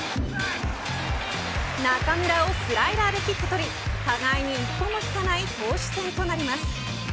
中村をスライダーで切って取り互いに一歩も引かない投手戦となります。